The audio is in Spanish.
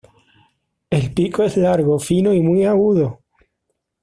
El pico es largo, fino y muy agudo.